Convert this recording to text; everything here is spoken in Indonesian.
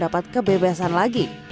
tapi bukannya sayang sekali